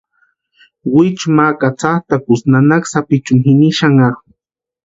Wichu ma katsatʼakusti nanaka sapichuni jini xanharu.